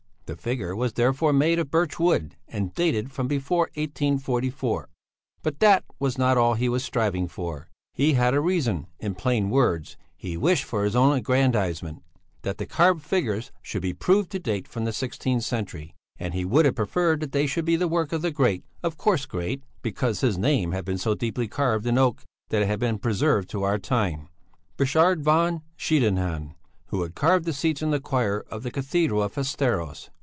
The figure was therefore made of birchwood and dated from before 1844. But that was not all he was striving for. He had a reason (!) in plain words, he wished for his own aggrandisement, that the carved figures should be proved to date from the sixteenth century; and he would have preferred that they should be the work of the great of course great, because his name had been so deeply carved in oak that it has been preserved to our time Burchard von Schiedenhanne, who had carved the seats in the choir of the Cathedral of Västeros.